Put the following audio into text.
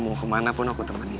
mau kemana pun aku terserah kamu aja